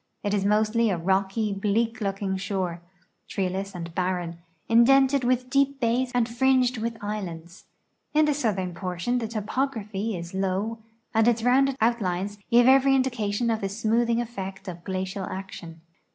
It is mostly a rocky, bleak looking shore, treeless and barren, indented with deep bays and fringed with islands. In the southern portion the topography is low and its rounded outlines give every indication of the smoothing effect of glacial action.